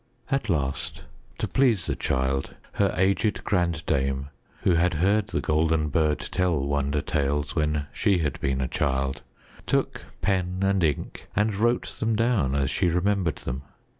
At last, to please the child, her aged grandame, who had heard The Golden Bird tell wonder tales when she had been a child, took pen and ink and wrote them down as she remembered them.